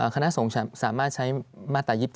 คณะสงฆ์สามารถใช้มาตรา๒๗